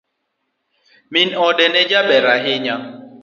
Min ode ne jaber ahinya.